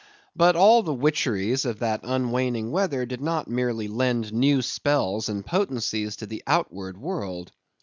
But all the witcheries of that unwaning weather did not merely lend new spells and potencies to the outward world.